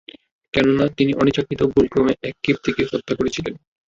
কেননা, তিনি অনিচ্ছাকৃত ভুলক্রমে এক কিবতীকে হত্যা করেছিলেন।